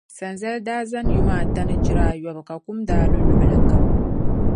sanzali daa zani yuma ata ni chira ayɔbu ka kum daa lu luɣili kam.